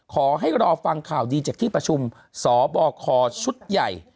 ขอให้รอฟังข่าวดีจากที่ประชุมสบคชุดใหญ่